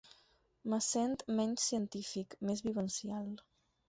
Em sento menys científic, més vivencial.